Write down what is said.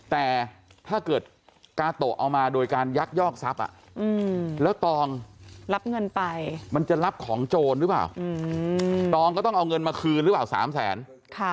แต่ถ้าเกิดกาโตะเอามาโดยการยักยอกทรัพย์แล้วตองรับเงินไปมันจะรับของโจรหรือเปล่าตองก็ต้องเอาเงินมาคืนหรือเปล่า๓แสน